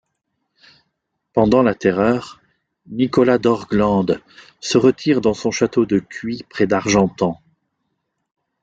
Pendant la Terreur, Nicolas d'Orglandes se retire dans son château de Cuy près d'Argentan.